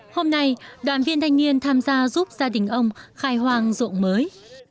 hôm nay đoàn viên thanh niên tham gia giúp gia đình ông khai hoang rộng mới